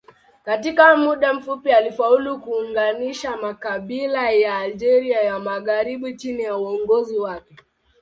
Katika muda mfupi alifaulu kuunganisha makabila ya Algeria ya magharibi chini ya uongozi wake.